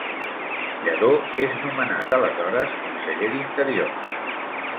Lladó és nomenat aleshores Conseller d'Interior.